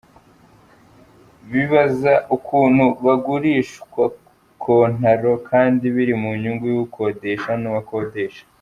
Bibaza ukuntu bagurishwa kontaro kandi biri mu nyungu y’ukodesha n’uwo akodesha.